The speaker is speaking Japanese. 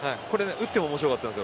打っても面白かったです。